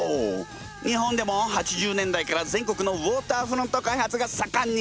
日本でも８０年代から全国のウォーターフロント開発がさかんに！